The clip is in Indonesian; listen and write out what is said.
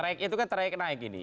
itu kan track naik ini